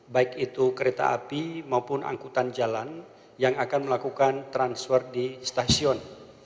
baik itu kereta api maupun angkutan jalan yang akan melakukan transfer di stasiun